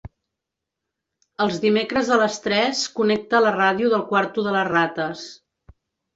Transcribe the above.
Els dimecres a les tres connecta la ràdio del quarto de les rates.